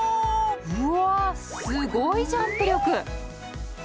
うわすごいジャンプ力。